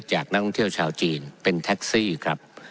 จากนักท่องเที่ยวชาวจีนเป็นแท็กซี่ครับ